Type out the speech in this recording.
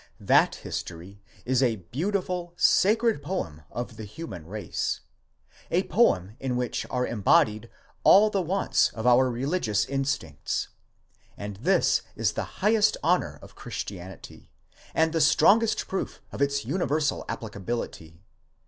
That history is a beautiful, sacred poem of the human race—a poem in which are embodied all the wants of our religious instinct; and this is the highest honour of Christianity, and the strongest proof of its universal applicability.